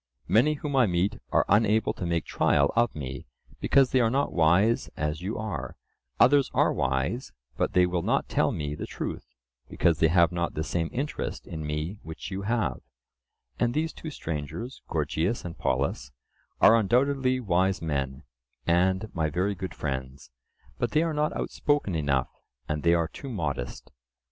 Many whom I meet are unable to make trial of me, because they are not wise as you are; others are wise, but they will not tell me the truth, because they have not the same interest in me which you have; and these two strangers, Gorgias and Polus, are undoubtedly wise men and my very good friends, but they are not outspoken enough, and they are too modest.